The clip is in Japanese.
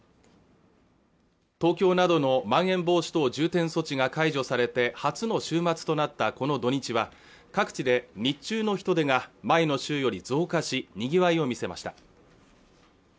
東京などのまん延防止等重点措置が解除されて初の週末となったこの土日は各地で日中の人出が前の週より増加しにぎわいを見せました